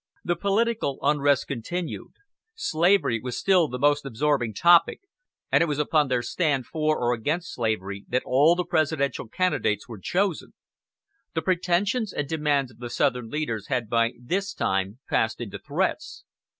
The political unrest continued. Slavery was still the most absorbing topic, and it was upon their stand for or against slavery that all the Presidential candidates were chosen. The pretensions and demands of the Southern leaders had by this time passed into threats.